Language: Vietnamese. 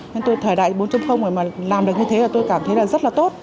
nên tôi thời đại bốn mà làm được như thế tôi cảm thấy rất là tốt